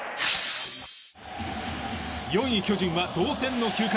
４位、巨人は同点の９回。